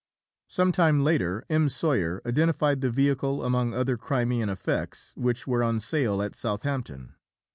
Some time later M. Soyer identified the vehicle among other "Crimean effects" which were on sale at Southampton.